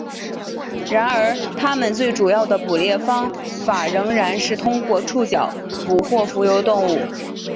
然而它们最主要的捕猎方法仍然是通过触角捕获浮游动物。